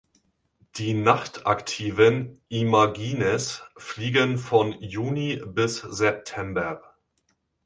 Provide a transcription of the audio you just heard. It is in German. Die nachtaktiven Imagines fliegen von Juni bis September.